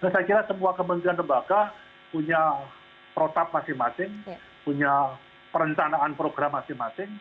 nah saya kira semua kementerian lembaga punya protap masing masing punya perencanaan program masing masing